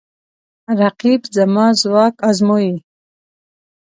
رقیب زما ځواک ازموي